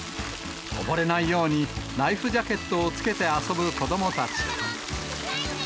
溺れないようにライフジャケットをつけて遊ぶ子どもたち。